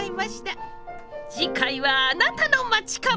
次回はあなたの町かも！？